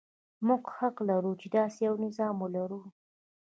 موږ حق لرو چې داسې یو نظام ولرو.